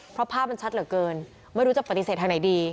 เพราะภาพมันชัดเหลือเกินไม่รู้จะปฏิเสธทางไหนดี